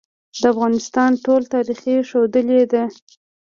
د افغانستان ټول تاریخ ښودلې ده.